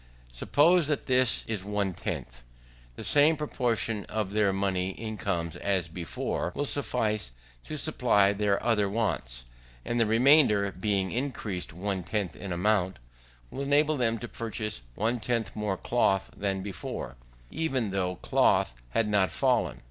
Suppose that this is one tenth. The same proportion of their money incomes as before, will suffice to supply their other wants, and the remainder, being increased one tenth in amount, will enable them to purchase one tenth more cloth than before, even though cloth had not fallen.